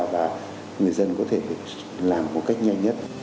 và người dân có thể làm một cách nhanh nhất